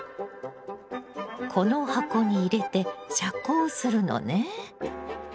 この箱に入れて遮光するのね。